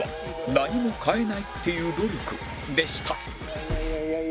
何も変えないという努力です。